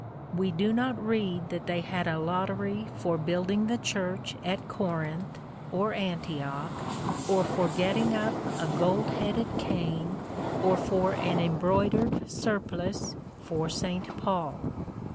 We do not read that they had a lottery for building the church at Corinth or Antioch, or for getting up a gold headed cane or for an embroidered surplice for Saint Paul.